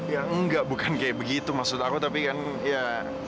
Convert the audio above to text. ya enggak bukan kayak begitu maksud aku tapi kan ya